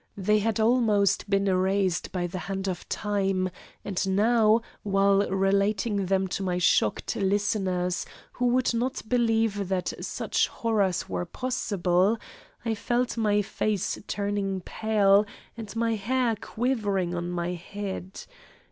They had almost been erased by the hand of time, and now while relating them to my shocked listeners, who would not believe that such horrors were possible, I felt my face turning pale and my hair quivering on my head.